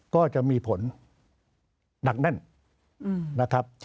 ก็จะมีผลหนักแน่น